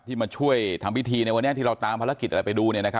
ที่มาช่วยทำพิธีที่เราตามภารกิจอะไรไปดูนะครับ